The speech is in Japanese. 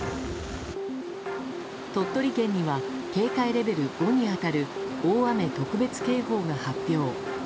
鳥取県には警戒レベル５に当たる大雨特別警報が発表。